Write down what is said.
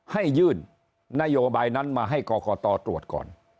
ให้ยื่นนโยบายนั้นมาให้กรกตตรวจก่อน